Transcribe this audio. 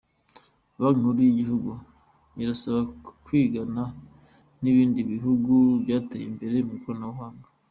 Banki nkuru yigihugu irasabwa kwigana ibindi bihugu byateye imbere ku ikoranabuhanga